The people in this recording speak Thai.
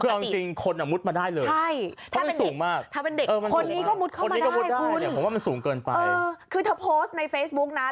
คือเอาจริงคนอ่ะมุดมาได้เลยถ้าเป็นเด็กคนนี้ก็มุดเข้ามาได้คุณคือเธอโพสต์ในเฟซบุ๊กนั้น